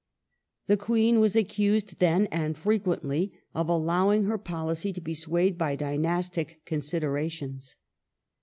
The Queen was accused then, and frequently, of allowing her policy to be swayed by dynastic considerations.